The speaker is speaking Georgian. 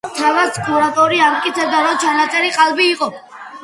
თავად სკურატოვი ამტკიცებდა, რომ ჩანაწერი ყალბი იყო.